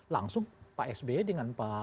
langsung pak sby dengan pak